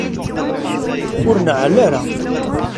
Ur neɛɛel ara.